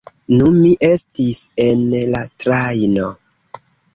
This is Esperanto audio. Nu, mi estis en la trajno...